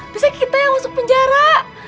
bisa kita yang masuk penjara